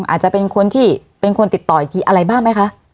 อาจจะเป็นคนที่เป็นคนติดต่ออีกทีอะไรบ้างไหมคะ